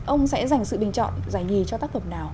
ông sẽ dành sự bình chọn giải nhì cho tác phẩm nào